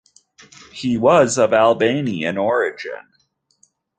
He was of Albanian origin.